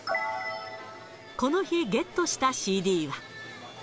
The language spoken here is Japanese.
この日、ゲットしたＣＤは。